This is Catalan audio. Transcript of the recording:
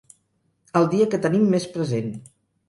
El dia que tenim més present.